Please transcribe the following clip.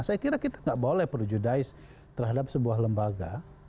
saya kira kita tidak boleh projudice terhadap sebuah lembaga